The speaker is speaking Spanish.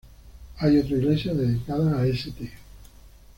Hay otra iglesia, dedicada a St.